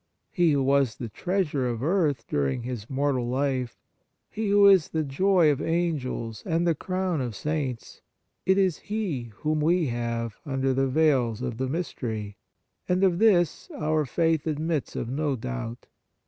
He who was the treasure of earth during His mortal life, He who is the joy of Angels and the crown of Saints, it is He whom we have under the veils of the mystery, and of this our faith admits of no doubt.